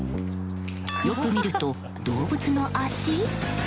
よく見ると、動物の足？